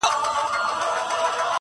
سپوږمۍ مو لاري څاري پیغامونه تښتوي!.